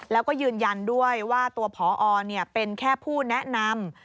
แล้วก็ยืนยันด้วยว่าตัวพอเป็นแค่ผู้แนะนำ